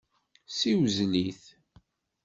Siwzel-it.